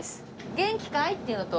「元気かい？」っていうのと。